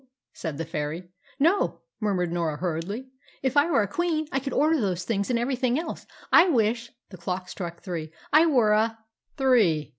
said the fairy. "No," murmured Norah hurriedly. "If I were a queen, I could order those things and everything else. I wish" the clock struck three "I were a " "Three!"